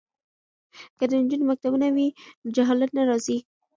که د نجونو مکتبونه وي نو جهالت نه راځي.